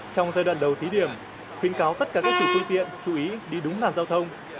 trong giai đoạn đầu thí điểm khuyến cáo tất cả các chủ phương tiện chú ý đi đúng làn giao thông